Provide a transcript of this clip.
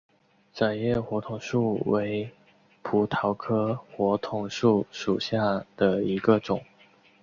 窄叶火筒树为葡萄科火筒树属下的一个种。